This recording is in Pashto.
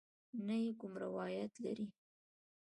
نه یې کوم روایت لرې.